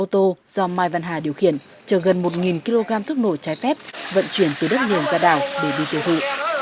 công an huyện lý sơn cũng phát hiện một ô tô do mai văn hà điều khiển chờ gần một kg thuốc nổ trái phép vận chuyển từ đất liền ra đảo để bị tiêu thụ